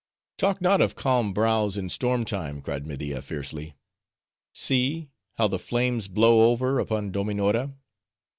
"Talk not of calm brows in storm time!" cried Media fiercely. "See! how the flames blow over upon Dominora!"